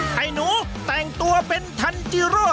ให้หนูแต่งตัวเป็นทันจีโร่